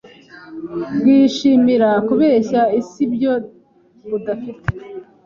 bwishimira kubeshya isi ibyo budafite